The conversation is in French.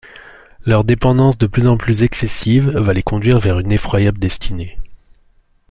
Leur dépendance de plus en plus excessive va les conduire vers une effroyable destinée...